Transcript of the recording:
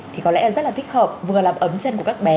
thì có lẽ là rất là thích hợp vừa làm ấm chân của các bé